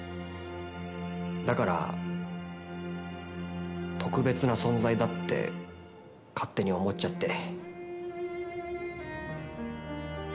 だから、特別な存在だって勝手に思っちゃって。